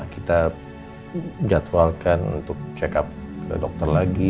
kita jadwalkan untuk check up ke dokter lagi